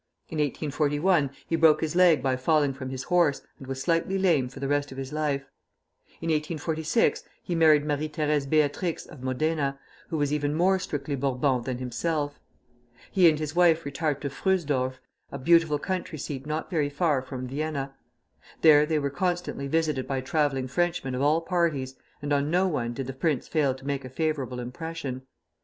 In 1841 he broke his leg by falling from his horse, and was slightly lame for the rest of his life. In 1846 he married Marie Thérèse Beatrix of Modena, who was even more strictly Bourbon than himself. He and his wife retired to Fröhsdorf, a beautiful country seat not very far from Vienna. There they were constantly visited by travelling Frenchmen of all parties, and on no one did the prince fail to make a favorable impression.